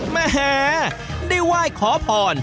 แม่แห่ได้ไหว้ขอพร